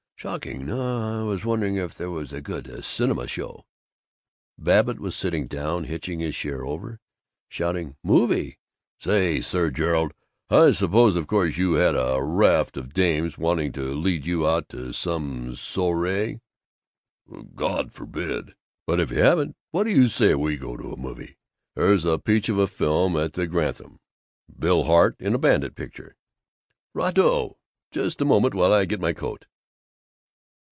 Shocking! No, I was wondering if there was a good cinema movie." Babbitt was sitting down, hitching his chair over, shouting, "Movie? Say, Sir Gerald, I supposed of course you had a raft of dames waiting to lead you out to some soirée " "God forbid!" " but if you haven't, what do you say you and me go to a movie? There's a peach of a film at the Grantham: Bill Hart in a bandit picture." "Right o! Just a moment while I get my coat."